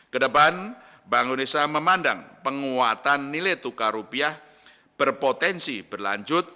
kedepan bank indonesia memandang penguatan nilai tukar rupiah berpotensi berlanjut